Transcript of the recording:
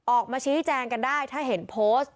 ออกมาชี้แจงกันได้ถ้าเห็นโพสต์